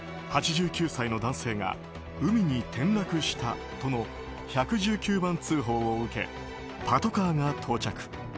８９歳の男性が海に転落したとの１１９番通報を受けパトカーが到着。